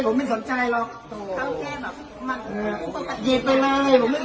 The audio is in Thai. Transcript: ผมไม่สนใจหรอกเขาแค่แบบฮือเ฀็ดไปเลยผมไม่สนใจรูป